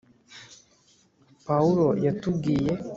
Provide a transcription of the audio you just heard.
pawulo yatubwiye